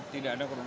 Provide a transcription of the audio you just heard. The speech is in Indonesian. tidak ada korban